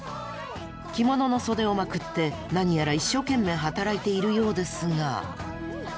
着物の袖をまくって何やら一生懸命働いているようですが。